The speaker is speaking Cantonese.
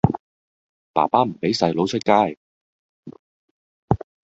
爸爸唔畀細佬出街